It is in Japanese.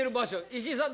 石井さん